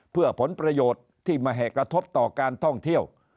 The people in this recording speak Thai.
เพื่อผลประโยชน์ที่มาแห่กระทบต่อการท่องเที่ยว